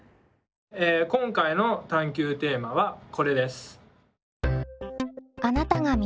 今回の探究テーマはこれです。